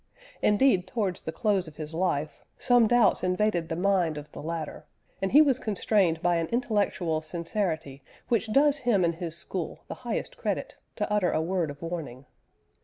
Indeed, towards the close of his life, some doubts invaded the mind of the latter, and he was constrained by an intellectual sincerity which does him and his school the highest credit, to utter a word of warning.